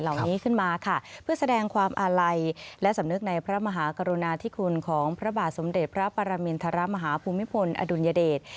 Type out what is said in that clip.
เหล่านี้ขึ้นมาค่ะเพื่อแสดงความอาลัยและสำนึกในพระมหากรุณาธิคุณของพระบาทสมเด็จพระปรมินทรมาฮภูมิพลอดุลยเดช